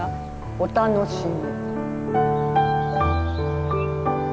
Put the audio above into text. お楽しみ。